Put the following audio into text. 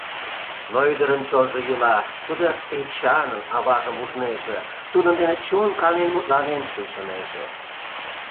Но ӱдырын чонжо йӱла, тудо Эчанын аважым ужнеже, тудын дене чон канен мутланен шинчынеже.